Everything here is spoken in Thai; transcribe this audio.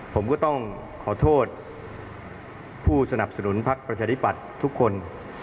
ผมก็ต้องขอโทษผู้สนับสนุนพักประชาธิปัตย์ทุกคน